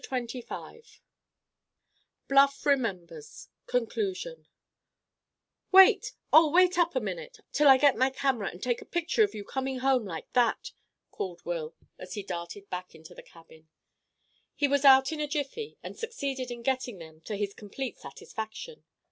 CHAPTER XXV BLUFF REMEMBERS—CONCLUSION "Wait, oh, wait up a minute, till I get my camera, and take a picture of you coming home like that!" called Will, as he darted back into the cabin. He was out in a jiffy, and succeeded in getting them, to his complete satisfaction.